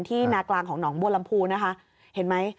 นากลางของหนองบัวลำพูนะคะเห็นไหม